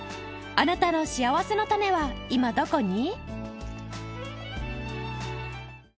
あなたのしあわせのたねは今どこに？